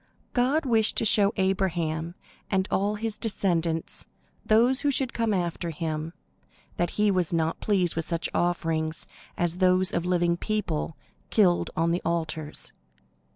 God wished to show Abraham and all his descendants, those who should come after him, that he was not pleased with such offerings as those of living people, killed on the altars.